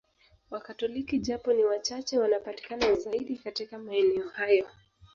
Wakatoliki japo ni wachache wanapatikana zaidi katika maeneo hayo